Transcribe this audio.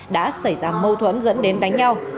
đã xảy ra mâu thuẫn dẫn đến đánh nhau